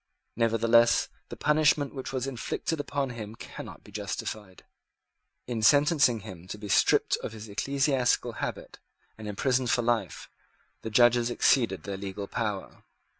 Nevertheless the punishment which was inflicted upon him cannot be justified. In sentencing him to be stripped of his ecclesiastical habit and imprisoned for life, the judges exceeded their legal power.